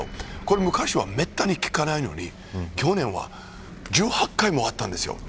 昔はめったに聞かないように去年は１８回もあったんです。